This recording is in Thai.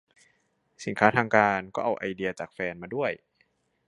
สินค้าทางการก็เอาไอเดียจากแฟนมาด้วย